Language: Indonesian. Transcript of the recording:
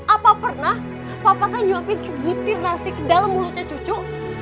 apa pernah papa kan nyuapin segutir nasi ke dalam mulutnya cucu